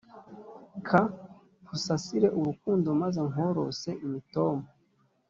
ka nkusasire urukundo maze nkorose imitoma